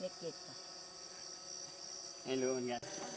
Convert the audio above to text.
เวียนหัวไม่มาหรอกลูกไม่มาหรอก